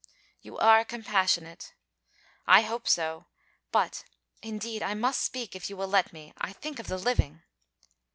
'You are compassionate.' 'I hope so. But... Indeed I must speak, if you will let me. I think of the living.'